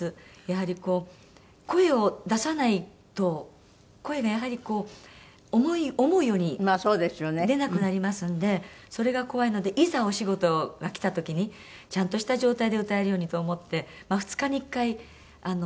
やはりこう声を出さないと声がやはりこう思うように出なくなりますのでそれが怖いのでいざお仕事が来た時にちゃんとした状態で歌えるようにと思って２日に１回あの。